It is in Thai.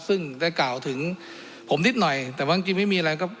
ซึ่งได้กล่าวถึงผมนิดหน่อยแต่บางทีไม่มีอะไรก็